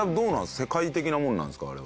世界的なものなんですかあれは。